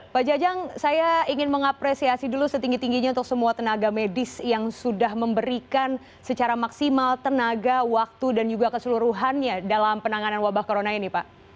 pak jajang saya ingin mengapresiasi dulu setinggi tingginya untuk semua tenaga medis yang sudah memberikan secara maksimal tenaga waktu dan juga keseluruhannya dalam penanganan wabah corona ini pak